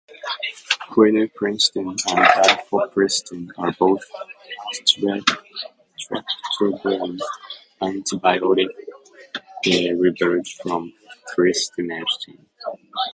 Quinupristin and dalfopristin are both streptogramin antibiotics, derived from pristinamycin.